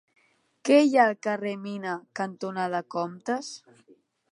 Què hi ha al carrer Mina cantonada Comtes?